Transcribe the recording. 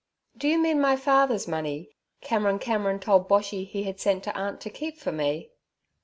'Do you mean my father's money, Cameron Cameron told Boshy he had sent to aunt to keep for me?'